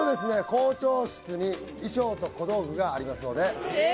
校長室に衣装と小道具がありますのでええ！？